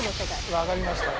わかりました。